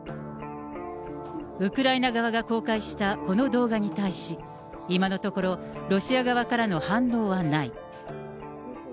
ウクライナ側が公開したこの動画に対し、今のところ、ロシア側からの反応はない。